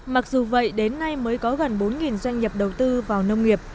mặc dù vậy đến nay mới có gần bốn doanh nghiệp đầu tư vào nông nghiệp